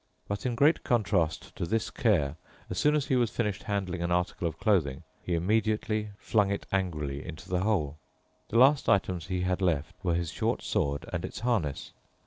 But in great contrast to this care, as soon he was finished handling an article of clothing, he immediately flung it angrily into the hole. The last items he had left were his short sword and its harness.